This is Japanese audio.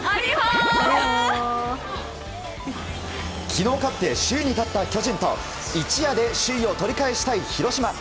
昨日勝って首位に立った巨人と一夜で首位を取り返したい広島。